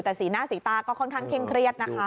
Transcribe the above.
แต่สีหน้าสีตาก็ค่อนข้างเคร่งเครียดนะคะ